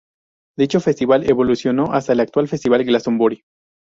Dicho festival evolucionó hasta el actual Festival de Glastonbury.